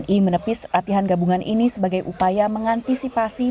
i menepis latihan gabungan ini sebagai upaya mengantisipasi